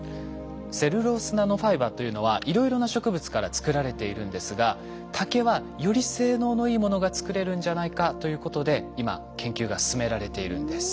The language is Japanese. セルロースナノファイバーというのはいろいろな植物から作られているんですが竹はより性能のいいものが作れるんじゃないかということで今研究が進められているんです。